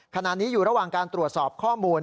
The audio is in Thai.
ขณะนี้อยู่ระหว่างการตรวจสอบข้อมูล